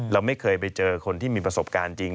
เราไม่เคยไปเจอคนที่มีประสบการณ์จริง